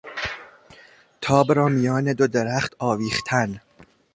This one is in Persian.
تاب را میان دو درخت آویختن